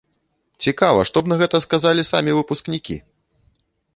Цікава, што б на гэта сказалі самі выпускнікі?